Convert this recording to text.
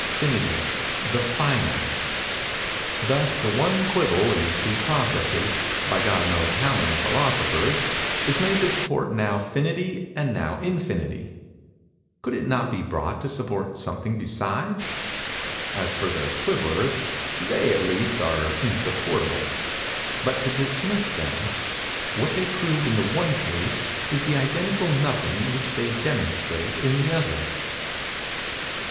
Finity—the Finite. Thus the one quibble, in two processes, by God knows how many philosophers, is made to support now Finity and now Infinity—could it not be brought to support something besides? As for the quibblers—they, at least, are insupportable. But—to dismiss them:—what they prove in the one case is the identical nothing which they demonstrate in the other.